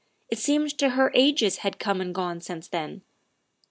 It seemed to her ages had come and gone since then.